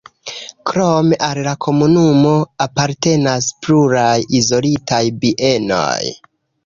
Krome al la komunumo apartenas pluraj izolitaj bienoj.